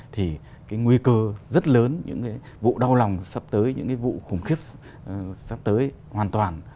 thì nguy cơ rất lớn những vụ đau lòng sắp tới những vụ khủng khiếp sắp tới hoàn toàn